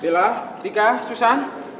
bella tika susan